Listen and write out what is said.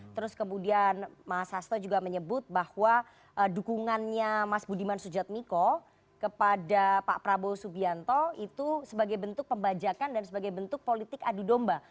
terus kemudian mas hasto juga menyebut bahwa dukungannya mas budiman sujatmiko kepada pak prabowo subianto itu sebagai bentuk pembajakan dan sebagai bentuk politik adu domba